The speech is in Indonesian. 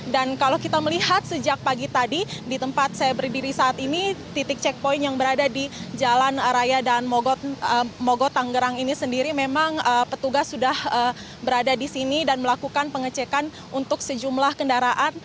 dan kalau kita melihat sejak pagi tadi di tempat saya berdiri saat ini titik checkpoint yang berada di jalan raya dan mogot tangerang ini sendiri memang petugas sudah berada di sini dan melakukan pengecekan untuk sejumlah kendaraan